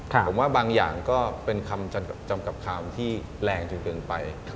ผมว่าบางอย่างก็เป็นคำจำกับคำที่แรงจนเกินไป